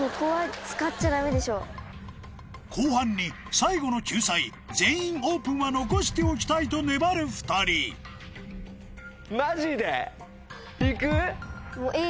後半に最後の救済「全員オープン」は残しておきたいと粘る２人Ａで行っちゃおう。